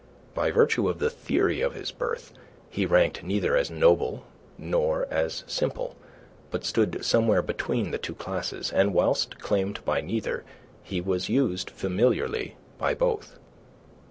By virtue of the theory of his birth, he ranked neither as noble nor as simple, but stood somewhere between the two classes, and whilst claimed by neither he was used familiarly by both.